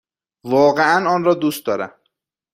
واقعا آن را دوست دارم!